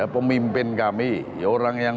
pemimpin kami orang yang